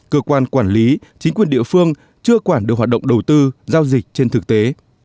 cơ quan quản lý chính quyền địa phương chưa quản được hoạt động đầu tư giao dịch trên thực tế